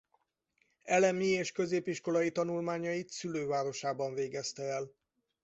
Elemi- és középiskolai tanulmányait szülővárosában végezte el.